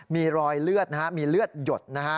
มีรอยเลือดมีเลือดหยด